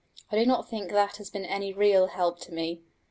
I do not think that has been any real help to me.